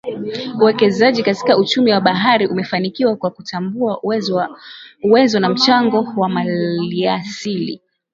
Uwekezaji katika uchumi wa bahari umefanikiwa kwa kutambua uwezo na mchango wa maliasili